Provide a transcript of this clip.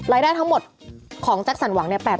รายได้ทั้งหมดของแจ็คสันหวังเนี่ย